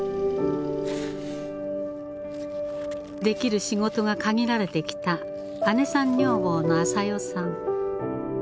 できる仕事が限られてきた姉さん女房のあさよさん。